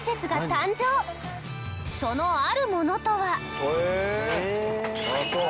そのあるものとは。